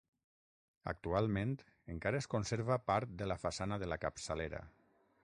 Actualment encara es conserva part de la façana de la capçalera.